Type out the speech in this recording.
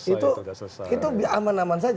itu sudah selesai